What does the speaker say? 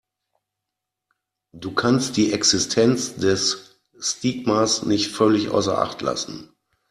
Du kannst die Existenz des Stigmas nicht völlig außer Acht lassen.